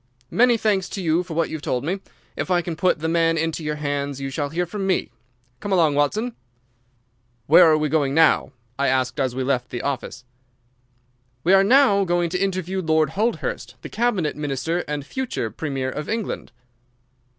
Many thanks to you for what you have told me. If I can put the man into your hands you shall hear from me. Come along, Watson." "Where are we going to now?" I asked, as we left the office. "We are now going to interview Lord Holdhurst, the cabinet minister and future premier of England."